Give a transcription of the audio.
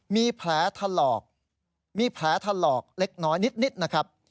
มีแผลถลอกเล็กน้อยนิดนะครับ